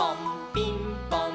ピンポン！